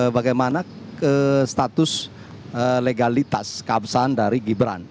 bagaimana status legalitas keabsahan dari gibran